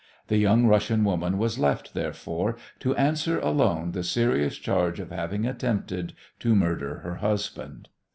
The young Russian woman was left, therefore, to answer alone the serious charge of having attempted to murder her husband.